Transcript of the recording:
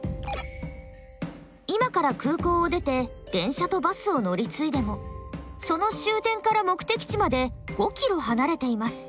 今から空港を出て電車とバスを乗り継いでもその終点から目的地まで５ｋｍ離れています。